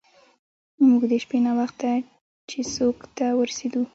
موږ د شپې ناوخته چیسوک ته ورسیدو.